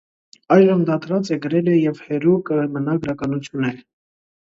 Այժմ դադրած է գրելէ եւ հերու կը մնայ գրականութենէ։